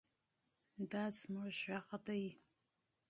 دا زموږ غږ دی.